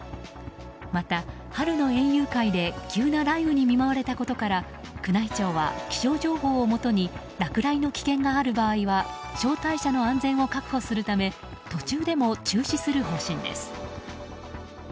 また、春の園遊会で急な雷雨に見舞われたことから宮内庁は気象情報をもとに落雷の危険がある場合は招待者の安全を確保するため途中でも中止する方針です。